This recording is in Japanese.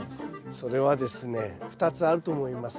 それはですね２つあると思います。